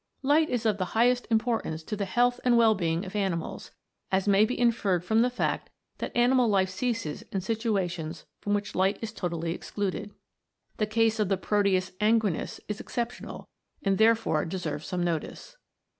Light is of the highest importance to the health and well being of animals, as may be inferred from the fact that animal life ceases in situations from which light is totally excluded. The case of the Proteus anguinus is exceptional, and therefore de serves some notice.